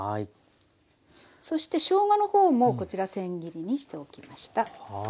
そしてしょうがの方もこちらせん切りにしておきました。